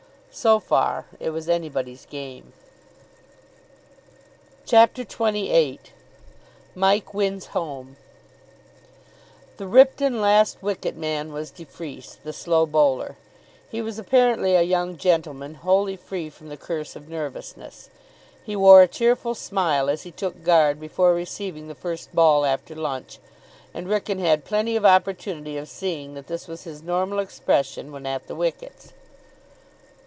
So far it was anybody's game. CHAPTER XXVIII MIKE WINS HOME The Ripton last wicket man was de Freece, the slow bowler. He was apparently a young gentleman wholly free from the curse of nervousness. He wore a cheerful smile as he took guard before receiving the first ball after lunch, and Wrykyn had plenty of opportunity of seeing that that was his normal expression when at the wickets.